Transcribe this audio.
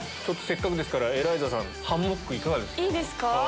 せっかくですからエライザさんハンモックいかがですか？